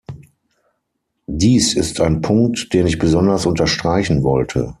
Dies ist ein Punkt, den ich besonders unterstreichen wollte.